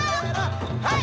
はい！